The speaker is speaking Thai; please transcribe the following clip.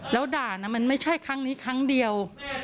แล้วด่านะมันไม่ใช่ครั้งนี้ครั้งเดียว